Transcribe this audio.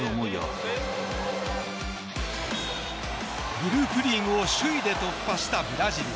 グループリーグを首位で突破したブラジル。